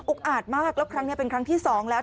อาจมากแล้วครั้งนี้เป็นครั้งที่สองแล้ว